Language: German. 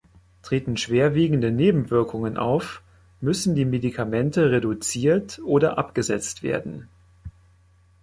Treten schwerwiegende Nebenwirkungen auf, müssen die Medikamente reduziert oder abgesetzt werden.